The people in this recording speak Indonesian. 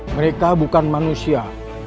mereka bukan manusia